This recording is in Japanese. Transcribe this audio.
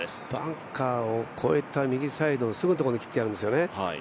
バンカーを越えた右サイドすぐのところに切ってあるんですよね。